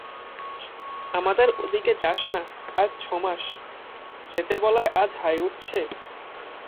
আমাদের ওদিকে যাস না আজ ছ মাস, যেতে বলায় আজ হাই উঠছে?